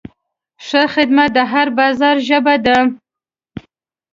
ښه خدمت د هر بازار ژبه ده.